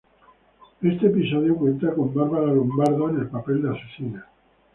Este episodio cuenta con Bárbara Lombardo, en el papel de asesina.